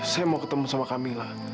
saya mau ketemu sama kamila